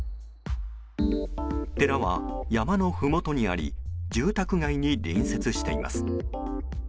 寺は、山のふもとにあり住宅街に隣接しています。